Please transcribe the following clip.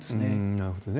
なるほどね。